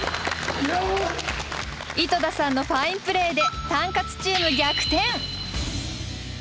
井戸田さんのファインプレーでタンカツチーム逆転。